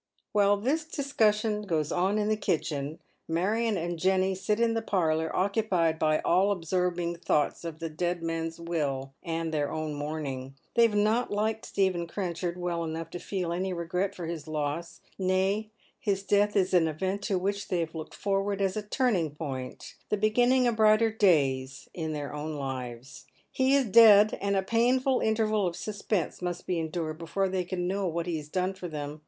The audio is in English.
While this discussion goes on in the kitchen, Marion and Jenny eit in the parlour, occupied by all absorbing thoughts of the dead man's will and their own mourning. They have not liked Stephen Trenchard well enough to feel any regret for his loss • nay, his death is an event to which they have looked forward aa a turning point — the beginning of brighter days — in their own Dath Surwhet. 297 lives. He is dead, and a painful interval of suspense must be endured before they can know what he has done for them.